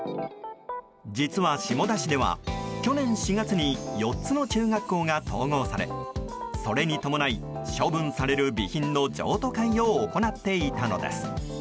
実は、下田市では去年４月に４つの中学校が統合されそれに伴い、処分される備品の譲渡会を行っていたのです。